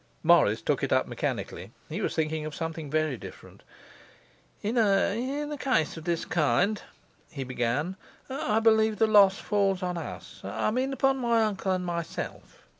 Morris took it up mechanically; he was thinking of something very different. 'In a case of this kind,' he began, 'I believe the loss falls on us; I mean upon my uncle and myself.